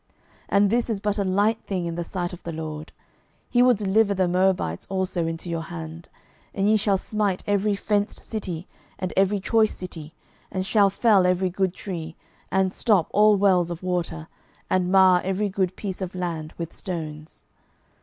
12:003:018 And this is but a light thing in the sight of the LORD: he will deliver the Moabites also into your hand. 12:003:019 And ye shall smite every fenced city, and every choice city, and shall fell every good tree, and stop all wells of water, and mar every good piece of land with stones.